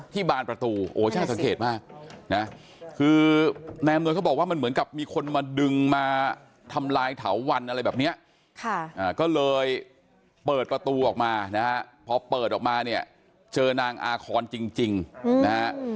เปิดประตูออกมานะฮะพอเปิดออกมาเนี่ยเจอนางอาคอนจริงจริงนะฮะ